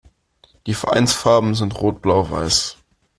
Die Vereinsfarben sind rot-blau-weiß.